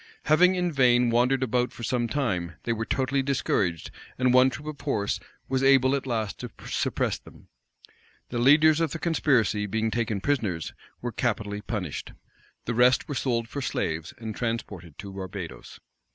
Having in vain wandered about for some time, they were totally discouraged; and one troop of horse was able at last to suppress them. The leaders of the conspiracy, being taken prisoners, were capitally punished. The rest were sold for slaves, and transported to Barbadoes.